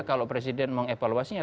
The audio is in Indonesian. kalau presiden mengevaluasinya